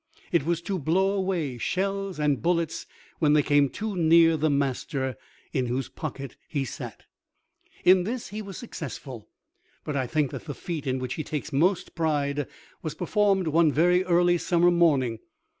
It was to blow away shells and bullets when they came too near the master in whose pocket he sat. In this he was successful; but I think that the feat in which he takes most pride was performed one very early summer morning.